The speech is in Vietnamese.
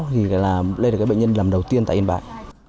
thì đây là cái bệnh nhân làm đầu tiên tại yên bái